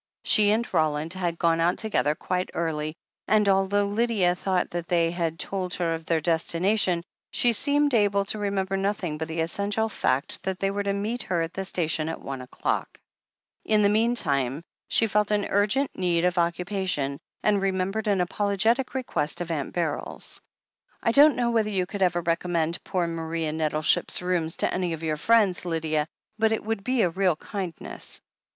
She and Roland had gone out together quite early, and although Lydia thought that they had told her of their destination, she seemed able to remember nothing but the essential fact that they were to meet her at the station at one o'clock. In the meanwhile she felt an urgent need of occupa tion, and remembered an apologetic request of Aunt Beryl's. "I don't know whether you could ever recommend poor Maria Nettleship's rooms to any of your friends, Lydia — ^but it would be a real kindness.